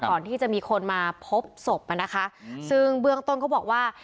ก่อนที่จะมีคนมาพบศพอ่ะนะคะซึ่งเบื้องต้นเขาบอกว่า